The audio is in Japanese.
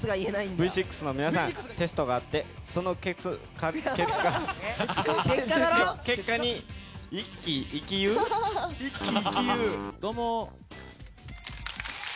Ｖ６の皆さんテストがあってどうも。